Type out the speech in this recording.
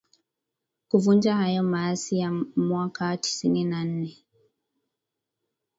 kuvunja hayo maasi ya mwaka tisini na nne